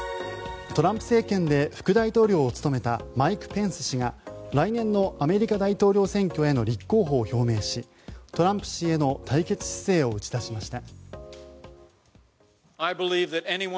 トランプ政権で副大統領を務めたマイク・ペンス氏が来年のアメリカ大統領選挙への立候補を表明しトランプ氏への対決姿勢を打ち出しました。